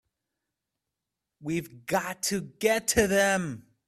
We've got to get to them!